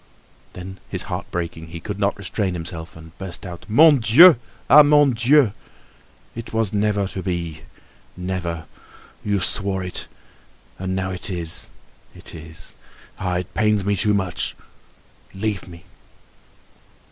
Then, his heart breaking, he could not restrain himself and burst out: "Mon Dieu! Ah! Mon Dieu! It was never to be—never. You swore it. And now it is—it is! Ah, it pains me too much, leave me!"